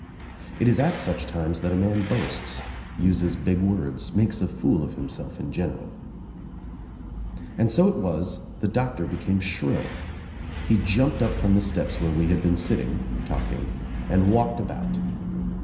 It is at such times that a man boasts, uses big words, makes a fool of himself in general. And so it was the doctor became shrill. He jumped 21 82 THE TRIUMPH OF THE EGG up from the steps where we had been sitting, talk ing and walked about.